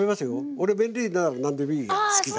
俺麺類なら何でもいい好きだ。